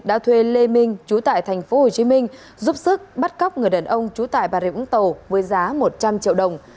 đã thuê lê minh chú tại thành phố hồ chí minh giúp sức bắt cóc người đàn ông chú tại bà rịa vũng tàu với giá một trăm linh triệu đồng